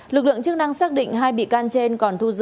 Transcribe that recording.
lực lượng chức năng xác định hai bị can trên còn thu giữ